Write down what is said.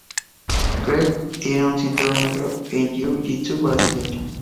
Gregg tiene un cinturón negro en Jiu-jitsu brasileño.